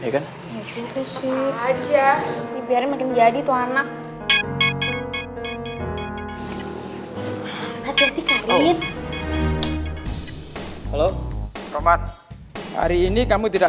khawatir ya kan aja biar makin jadi tuh anak hati hati karin halo romat hari ini kamu tidak